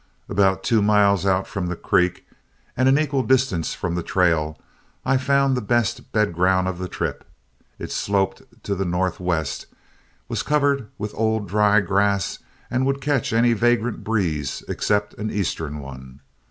About two miles out from the creek and an equal distance from the trail, I found the best bed ground of the trip. It sloped to the northwest, was covered with old dry grass, and would catch any vagrant breeze except an eastern one.